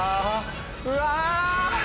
うわ！